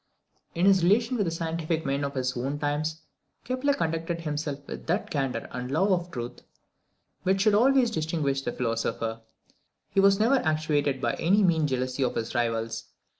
In his relations with the scientific men of his own times, Kepler conducted himself with that candour and love of truth which should always distinguish the philosopher. He was never actuated by any mean jealousy of his rivals.